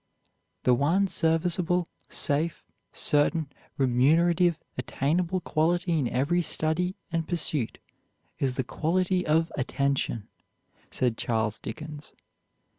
"The one serviceable, safe, certain, remunerative, attainable quality in every study and pursuit is the quality of attention," said Charles Dickens.